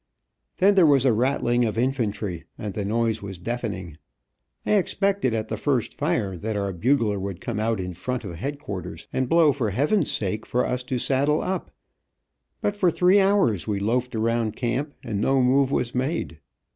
Then there was a rattling of infantry, and the noise was deafening. I expected at the first fire that our bugler would come out in front of headquarters and blow for heaven's sake, for us to saddle up, but for three hours we loafed around camp and no move was made.